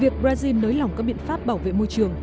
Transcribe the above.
việc brazil nới lỏng các biện pháp bảo vệ môi trường